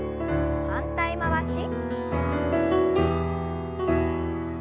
反対回し。